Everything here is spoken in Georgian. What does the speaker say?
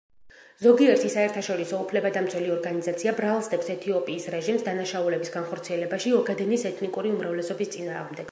ზოგიერთი საერთაშორისო უფლებადამცველი ორგანიზაცია ბრალს დებს ეთიოპიის რეჟიმს დანაშაულებების განხორციელებაში ოგადენის ეთნიკური უმრავლესობის წინააღმდეგ.